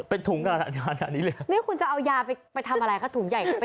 เป็นถุงขนาดเนี้ยคุณจะเอายาไปไปทำอะไรคะถุงใหญ่นะ